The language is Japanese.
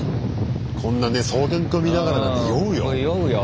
こんなね双眼鏡見ながらなんて酔うよ。